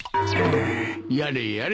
やれやれ。